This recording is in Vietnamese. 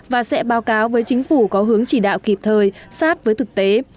và sẽ báo cáo với chính phủ có hướng chỉ đạo kịp thời sát với thực tế